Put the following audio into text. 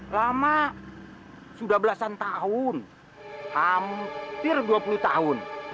lama sudah belasan tahun hampir dua puluh tahun